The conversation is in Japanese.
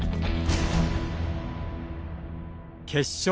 決勝。